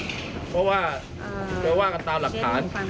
เพราะว่าไปว่ากันตามหลักฐาน